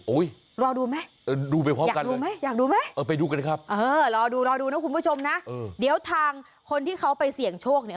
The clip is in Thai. โอ้ยรอดูไหมรอดูนะคุณผู้ชมนะเดี๋ยวทางคนที่เขาไปเสี่ยงโชคเนี่ย